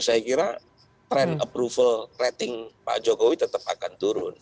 saya kira trend approval rating pak jokowi tetap akan turun